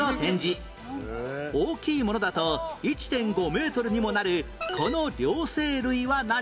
大きいものだと １．５ メートルにもなるこの両生類は何？